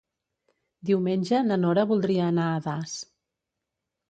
Diumenge na Nora voldria anar a Das.